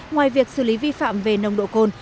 ngoài việc xử lý vi phạm về nồng độ cồn